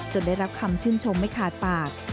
ได้รับคำชื่นชมไม่ขาดปาก